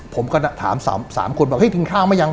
ผมก็ถามสามคนบอกให้กินข้าวมั้ยยัง